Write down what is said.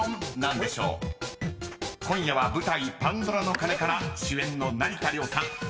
［今夜は舞台『パンドラの鐘』から主演の成田凌さん